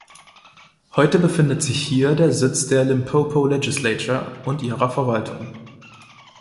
Heute befindet sich hier der Sitz der "Limpopo Legislature" und ihrer Verwaltung.